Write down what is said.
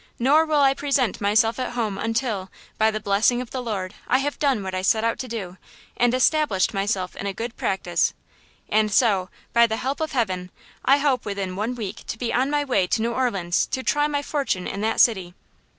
Nor will I present myself at home until, by the blessing of the Lord, I have done what I set out to do, and established myself in a good practice. And so, by the help of heaven, I hope within one week to be on my way to New Orleans to try my fortune in that city."